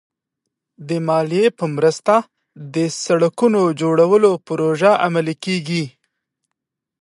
د مالیې په مرسته د سړکونو جوړولو پروژې عملي کېږي.